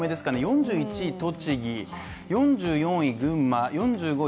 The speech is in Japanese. ４１位栃木４４位群馬４５位